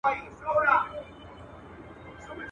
د شهیدانو هدیرې جوړي سي.